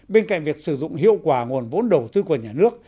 bên cạnh việc sử dụng hiệu quả nguồn vốn đầu tư của nhà nước